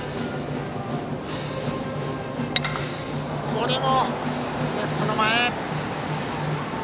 これもレフトの前。